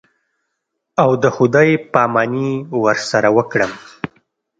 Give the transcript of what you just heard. او د خداى پاماني ورسره وکړم.